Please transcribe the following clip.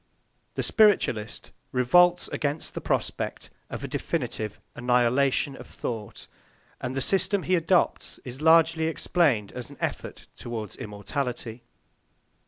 The spiritualist revolts against the prospect of a definitive annihilation of thought, and the system he adopts is largely explained as an effort towards immortality.